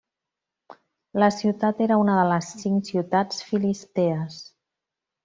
La ciutat era una de les cinc ciutats filistees.